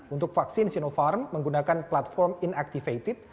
untuk vaksin sinopharm menggunakan platform inactivated